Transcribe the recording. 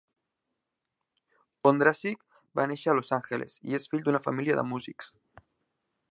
Ondrasik va néixer a Los Angeles, i és fill d'una família de músics.